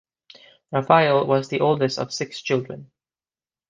Rafael was the oldest of six children.